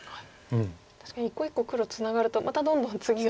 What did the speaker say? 確かに１個１個黒ツナがるとまたどんどんツギが。